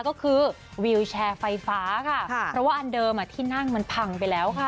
ก็คือวิวแชร์ไฟฟ้าค่ะเพราะว่าอันเดิมอ่ะที่นั่งมันพังไปแล้วค่ะ